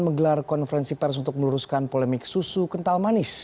menggelar konferensi pers untuk meluruskan polemik susu kental manis